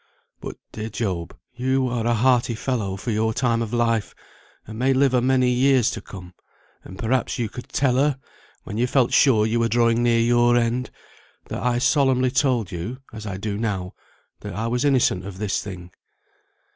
But, dear Job, you are a hearty fellow for your time of life, and may live a many years to come; and perhaps you could tell her, when you felt sure you were drawing near your end, that I solemnly told you (as I do now) that I was innocent of this thing.